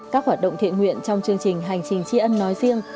các hoạt động thiện nguyện trong chương trình hành trình chi ân nói riêng